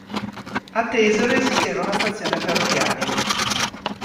A Tesero esisteva una stazione ferroviaria.